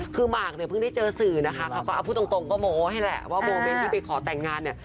คือหมากเนี่ยเพิ่งได้เจอสื่อนะคะเขาก็เอาพูดตรงก็โม้ให้แหละว่าโมเมนต์ที่ไปขอแต่งงานเนี่ย